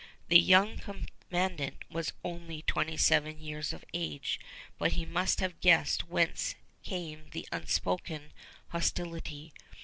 The young commandant was only twenty seven years of age, but he must have guessed whence came the unspoken hostility.